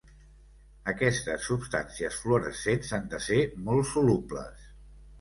Aquestes substàncies fluorescents han de ser molt solubles.